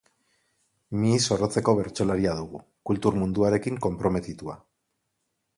Mihi zorrotzeko bertsolaria dugu, kultur munduarekin konprometitua.